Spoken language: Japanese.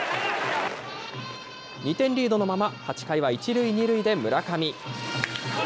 ２点リードのまま、８回は１塁２塁で村上。